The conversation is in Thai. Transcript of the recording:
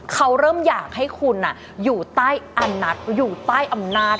เขาเริ่มอยากให้คุณอยู่ใต้อนัทอยู่ใต้อำนาจ